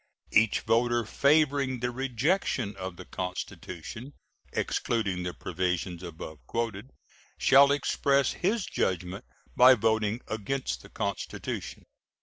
Each voter favoring the rejection of the constitution (excluding the provisions above quoted) shall express his judgment by voting against the constitution.